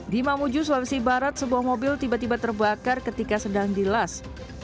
di mamuju sulawesi barat sebuah mobil tiba tiba terbakar ketika sedang dilas